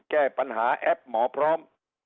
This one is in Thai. แก้ปัญหาแอปหมอพร้อม